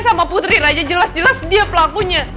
sama putri raja jelas jelas dia pelakunya